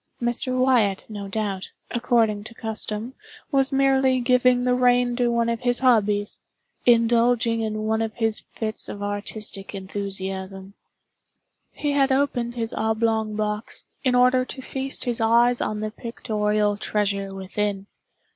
Mr. Wyatt, no doubt, according to custom, was merely giving the rein to one of his hobbies—indulging in one of his fits of artistic enthusiasm. He had opened his oblong box, in order to feast his eyes on the pictorial treasure within.